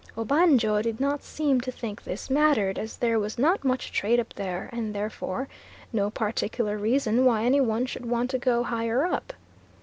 Obanjo did not seem to think this mattered, as there was not much trade up there, and therefore no particular reason why any one should want to go higher up.